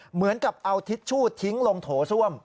เหมือนกับเอาทิชชู่ทิ้งลงโถส้วม